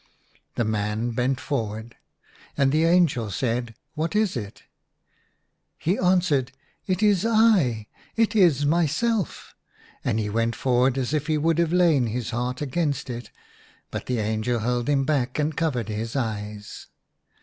The man bent forward. And the angel said, " What is it ?" He answered, "It is // it is myself!" And he went forward as if he would have lain his heart against it ; but the angel held him back and covered his eyes.